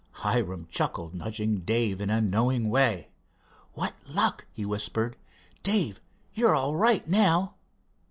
Hiram chuckled, nudging Dave in a knowing way. "What luck!" he whispered. "Dave, you're all right now."